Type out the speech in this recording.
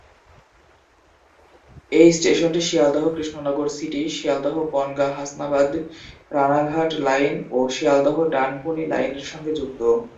এই স্টেশনটি Sealdah-Krishnanagar city, Sealdah-Bangaon-Hasnabad-Ranaghat line ও"শিয়ালদহ-ডানকুনি" line এর সঙ্গে যুক্ত।